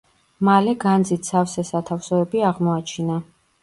მალე განძით სავსე სათავსოები აღმოაჩინა.